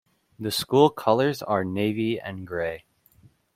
The school colors are navy and grey.